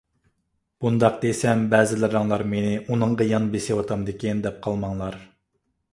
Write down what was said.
بۇنداق دېسەم بەزىلىرىڭلار مېنى ئۇنىڭغا يان بېسىۋاتامدىكىن دەپ قالماڭلار.